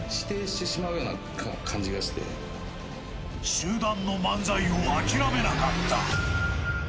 集団の漫才を諦めなかった。